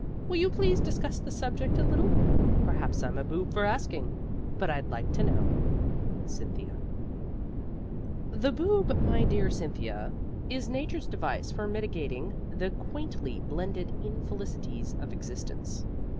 Will you please discuss the subject a little? Perhaps I'm a boob for asking but I'd like to know_. CYNTHIA. BE FRIENDLY WITH BOOBS The Boob, my dear Cynthia, is Nature's device for mitigating the quaintly blended infelicities of existence.